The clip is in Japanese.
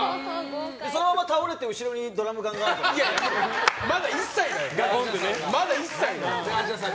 そのまま倒れて後ろにドラム缶があるんだよね。